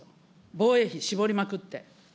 防衛費絞りまくって。